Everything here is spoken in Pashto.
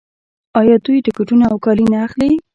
آیا دوی ټکټونه او کالي نه اخلي؟